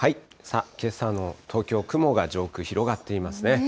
けさの東京、雲が上空、広がっていますね。